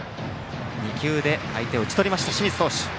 ２球で相手を打ち取りました清水投手。